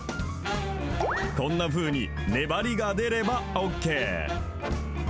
こんなふうに粘りが出ればＯＫ。